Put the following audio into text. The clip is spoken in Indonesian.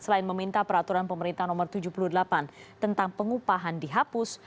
selain meminta peraturan pemerintah nomor tujuh puluh delapan tentang pengupahan dihapus